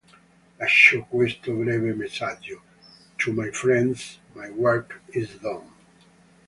Lasciò questo breve messaggio: “"To my friends: My work is done.